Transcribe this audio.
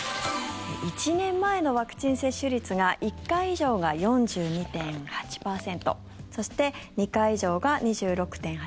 １年前のワクチン接種率が１回以上が４２．８％そして、２回以上が２６．８％。